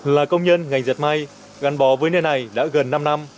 là công nhân ngành giật may gắn bò với nơi này đã gần năm năm